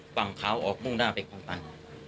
ฝั่งขาวออกมุ่งหน้าไปคลองตัน